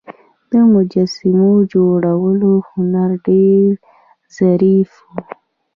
د مجسمو جوړولو هنر ډیر ظریف و